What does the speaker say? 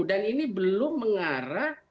dan ini belum mengarah